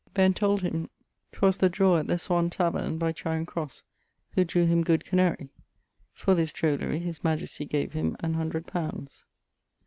Ben told him 'twas the drawer at the Swanne tavernne, by Charing crosse, who drew him good Canarie. For this drollery his majestie gave him an hundred poundes.